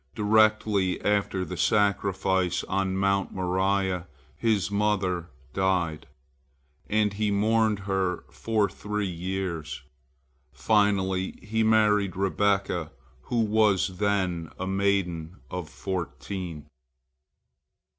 Directly after the sacrifice on Mount Moriah, his mother died, and he mourned her for three years. Finally he married Rebekah, who was then a maiden of fourteen.